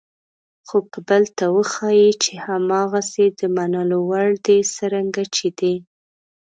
خو که بل ته وښایئ چې هماغسې د منلو وړ دي څرنګه چې دي.